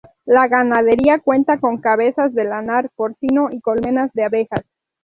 La ganadería cuenta con cabezas de lanar, porcino y colmenas de abejas.